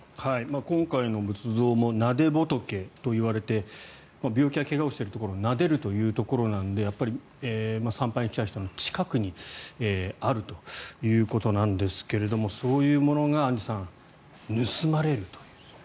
今回の仏像もなで仏といわれて病気や怪我をしているところをなでるというところなのでやっぱり参拝に来た人の近くにあるということなんですけれどもそういうものがアンジュさん、盗まれるという。